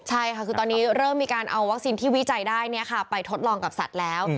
ใช่ค่ะคือตอนนี้เริ่มมีการเอาวัคซีนที่วิจัยได้ไปทดลองกับสัตว์แล้ว